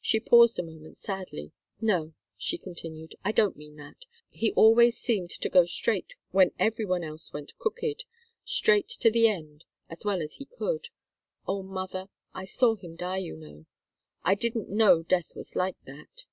She paused a moment sadly. "No," she continued, "I don't mean that. He always seemed to go straight when every one else went crooked straight to the end, as well as he could. Oh, mother I saw him die, you know! I didn't know death was like that!"